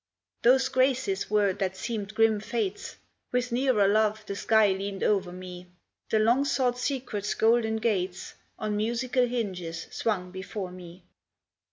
Those Graces were that seemed grim Fates; With nearer love the sky leaned o'er me; The long sought Secret's golden gates On musical hinges swung before me.